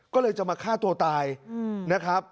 ก็เลยจะมาฆ่าตัวตายนะครับ